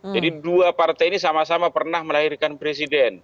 jadi dua partai ini sama sama pernah melahirkan presiden